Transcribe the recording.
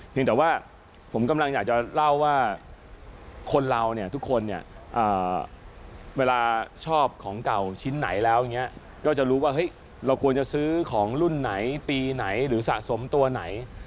แต่ว่าผมกำลังอยากจะเล่าว่าคนเราเนี่ยทุกคนเนี่ยเวลาชอบของเก่าชิ้นไหนแล้วอย่างนี้ก็จะรู้ว่าเฮ้ยเราควรจะซื้อของรุ่นไหนปีไหนหรือสะสมตัวไหน